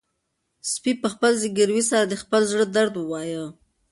سپي په خپل زګیروي سره د خپل زړه درد ووايه.